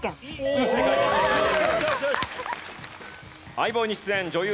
『相棒』に出演女優